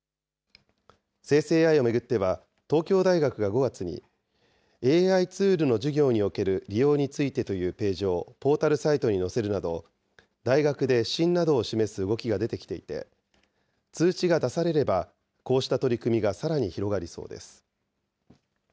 生成ＡＩを巡っては、東京大学が５月に、ＡＩツールの授業における利用についてというページをポータルサイトに載せるなど、大学で指針などを示す動きが出てきていて、通知が出されれば、こうした取り組みがさらに広がりそうです。